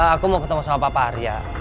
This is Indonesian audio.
aku mau ketemu sama papa arya